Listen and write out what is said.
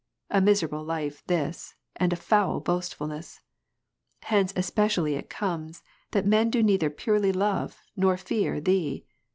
A miserable life this, and a foul boastfulness ! Hence especially it comes, that men do neither Jam. 4, purely love, nor fear Thee.